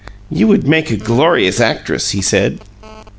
"You would make a glorious actress!" he said.